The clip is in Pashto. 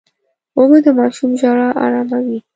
اوبه د ماشوم ژړا اراموي.